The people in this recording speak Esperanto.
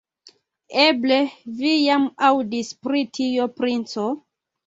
Eble vi jam aŭdis pri tio, princo?